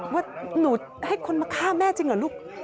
ว่าหนูให้คนมาฆ่าแม่จริงเหรอลูก